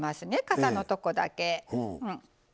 かさのとこだけ。